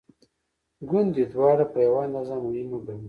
ګوندې دواړه په یوه اندازه مهمه ګڼو.